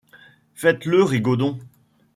Faites le rigodon.